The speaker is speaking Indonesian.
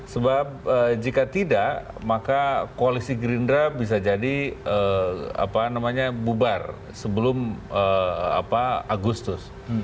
sebab jika tidak maka koalisi gerindra bisa jadi bubar sebelum agustus